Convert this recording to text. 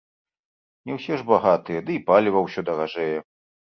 Не ўсе ж багатыя, ды й паліва ўсё даражэе.